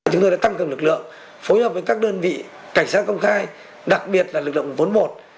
chúng tôi đã tăng cầm lực lượng phối hợp với các đơn vị cảnh sát công khai đặc biệt là lực động vốn bột